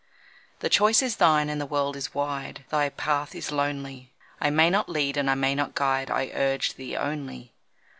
The choice is thine, and the world is wide Thy path is lonely. I may not lead and I may not guide I urge thee only.